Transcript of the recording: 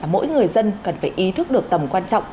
mỗi người dân cần phải ý thức được tầm quan trọng